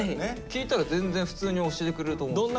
聞いたら全然普通に教えてくれると思う。